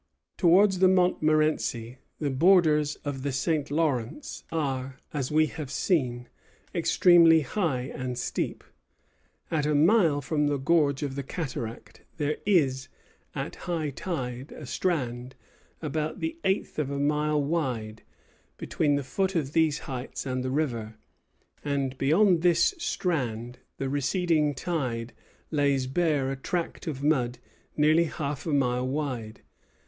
Towards the Montmorenci the borders of the St. Lawrence are, as we have seen, extremely high and steep. At a mile from the gorge of the cataract there is, at high tide, a strand, about the eighth of a mile wide, between the foot of these heights and the river; and beyond this strand the receding tide lays bare a tract of mud nearly half a mile wide.